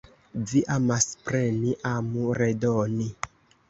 Vi amas preni, amu redoni.